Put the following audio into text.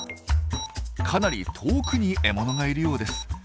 かなり遠くに獲物がいるようです。